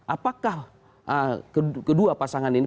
apakah kedua pasangan ini